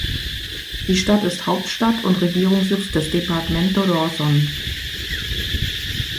Die Stadt ist Hauptstadt und Regierungssitz des Departamento Rawson.